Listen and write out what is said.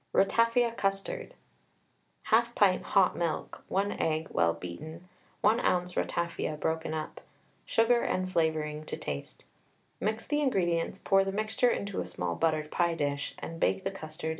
RATAFIA CUSTARD. 1/2 pint hot milk, 1 egg well beaten, 1 oz. ratafia broken up, sugar and flavouring to taste. Mix the ingredients, pour the mixture into a small buttered pie dish, and bake the custard in a moderate oven until set.